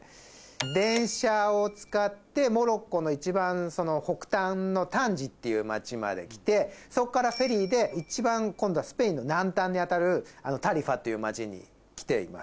電車を使ってモロッコの一番北端のタンジェっていう街まできてそっからフェリーで一番今度はスペインの南端に当たるタリファっていう街に来ています。